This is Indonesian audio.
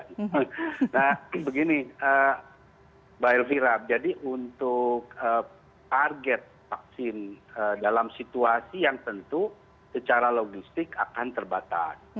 nah begini mbak elvira jadi untuk target vaksin dalam situasi yang tentu secara logistik akan terbatas